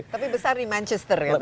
tapi besar di manchester kan